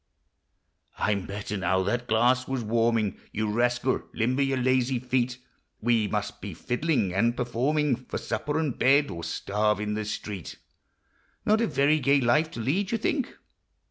I'm better now; that glass was wanning. You rascal! limber your Lazy tret! We must be fiddling and performing For supper and bed, or starve in the street. Not a very gay life to lead, you think